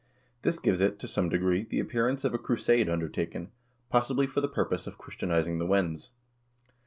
This gives it, to some degree, the appearance of a crusade undertaken, possibly, for the purpose of Christianizing the Wends.